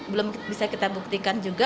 belum bisa kita buktikan juga